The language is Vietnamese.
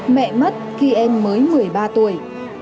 mẹ mất khi em mới một mươi ba tuổi